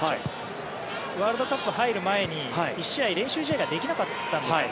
ワールドカップ入る前に１試合、練習試合ができなかったんですよ、